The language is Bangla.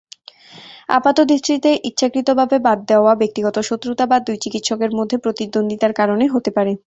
আপাতদৃষ্টিতে ইচ্ছাকৃতভাবে বাদ দেওয়া ব্যক্তিগত শত্রুতা বা দুই চিকিৎসকের মধ্যে প্রতিদ্বন্দ্বিতার কারণে হতে পারে।